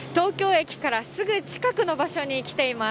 東京駅からすぐ近くの場所に来ています。